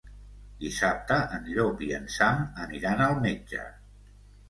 Dissabte en Llop i en Sam aniran al metge.